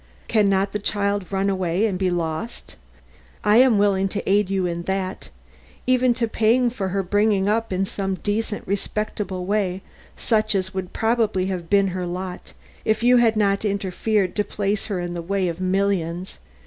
Can not the child run away and be lost? I am willing to aid you in that, even to paying for her bringing up in some decent, respectable way, such as would probably have been her lot if you had not interfered to place her in the way of millions."